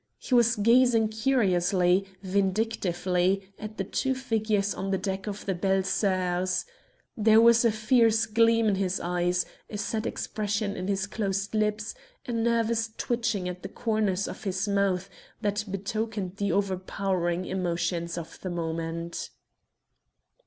He was gazing curiously, vindictively, at the two figures on the deck of the Belles Soeurs. There was a fierce gleam in his eyes, a set expression in his closed lips, a nervous twitching at the corners of his mouth, that betokened the overpowering emotions of the moment.